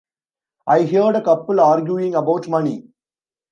I heard a couple arguing about money.